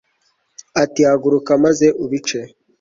ati haguruka maze ubice